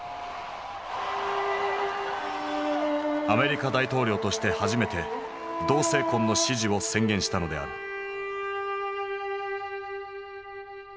アメリカ大統領として初めて同性婚の支持を宣言したのである。